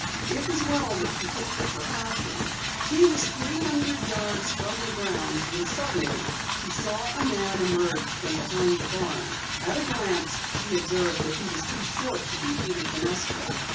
It was well that she took the precaution. She was three hundred yards from the grounds when suddenly she saw a man emerge from behind the barn. At a glance she observed that he was too short to be Peter Fenestra.